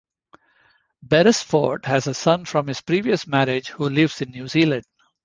Beresford has a son from his previous marriage who lives in New Zealand.